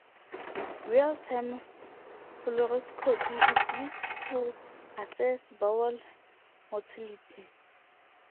Real-time fluoroscopy is used to assess bowel motility.